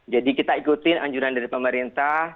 jadi kita ikutin anjuran dari pemerintah